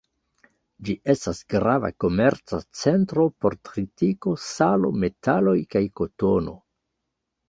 Ĝi estas grava komerca centro por tritiko, salo, metaloj kaj kotono.